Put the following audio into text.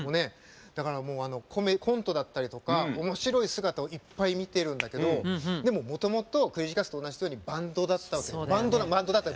だからコントだったりとか面白い姿をいっぱい見てるんだけどでももともとクレイジーキャッツと同じようにバンドなわけです。